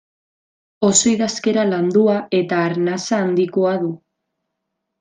Oso idazkera landua eta arnasa handikoa du.